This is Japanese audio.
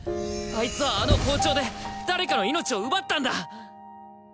あいつはあの包丁で誰かの命を奪ったんだ！